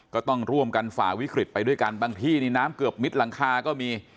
ก็ต้องร่วมกันฝ่าวิกฤตไปด้วยกันบางที่นี่น้ำเกือบมิดหลังคาก็มี